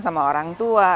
sama orang tua